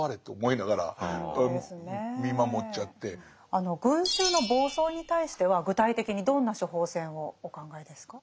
あの群衆の暴走に対しては具体的にどんな「処方箋」をお考えですか？